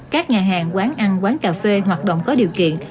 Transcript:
các nhà hàng quán ăn quán cà phê hoạt động có điều kiện